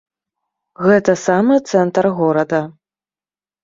Гэта самы цэнтр горада.